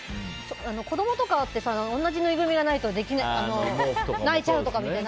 子供とかって同じぬいぐるみじゃないと泣いちゃうとかみたいな。